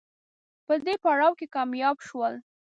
په دې پړاو کې کامیاب شول